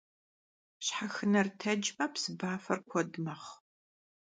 Şhexıner tecme, psıbafer kued mexhu.